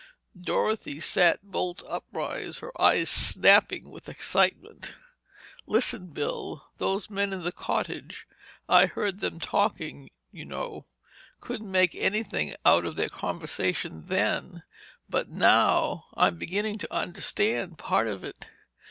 Dorothy sat bold upright, her eyes snapping with excitement. "Listen, Bill! Those men in the cottage—I heard them talking, you know—couldn't make anything out of their conversation then, but now I'm beginning to understand part of it."